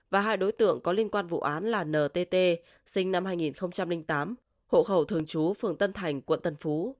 và hai đối tượng có liên quan vụ án là ntt sinh năm hai nghìn tám hộ khẩu thường trú phường tân thành quận tân phú